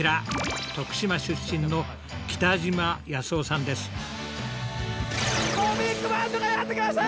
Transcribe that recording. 徳島出身のコミックバンドがやって来ました！